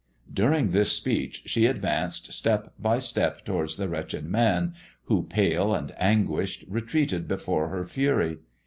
During this speech she advanced step by step towards the wretched man, who, pale and anguished, retreated before her fury.